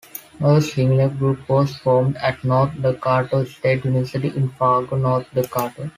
A similar group was formed at North Dakota State University in Fargo, North Dakota.